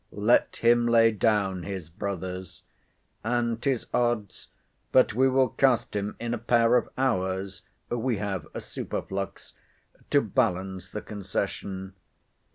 Let him lay down his brothers; and 'tis odds but we will cast him in a pair of ours (we have a superflux) to balance the concession.